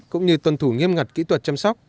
cũng như tuân thủ nghiêm ngặt kỹ thuật chăm sóc